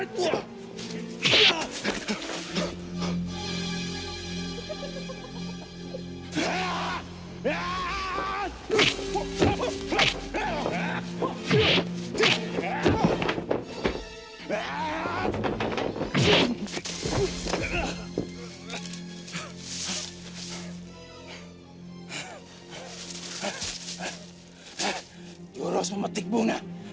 juros memetik bunga